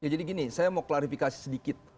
jadi gini saya mau klarifikasi sedikit